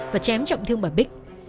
và chém trọng thương bà bích